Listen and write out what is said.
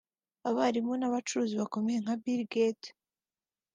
abarimu n’abacuruzi bakomeye nka Bill Gate